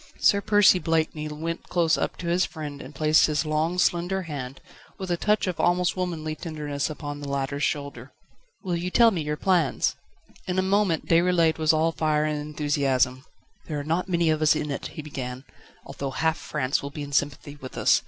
Sir Percy Blakeney went close up to his friend and placed his long, slender hand, with a touch of almost womanly tenderness upon the latter's shoulder. "Will you tell me your plans?" In a moment Déroulède was all fire and enthusiasm. "There are not many of us in it," he began, "although half France will be in sympathy with us.